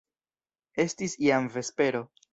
Estis jam vespero.